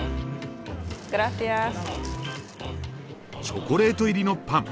チョコレート入りのパン。